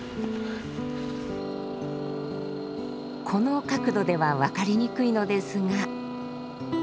この角度では分かりにくいのですが。